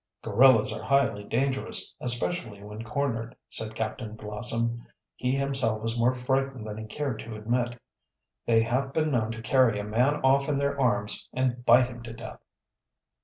"Gorillas are highly dangerous, especially when cornered," said Captain Blossom. He himself was more frightened than he cared to admit. "They have been known to carry a man off in their arms and bite him to death."